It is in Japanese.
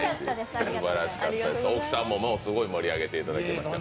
大木さんもすごい盛り上げていただきました。